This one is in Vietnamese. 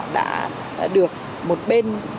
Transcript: đã được một bên